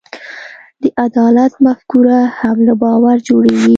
د عدالت مفکوره هم له باور جوړېږي.